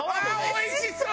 おいしそう！